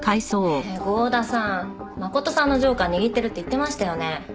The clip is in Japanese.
ねえ郷田さん真琴さんのジョーカー握ってるって言ってましたよね？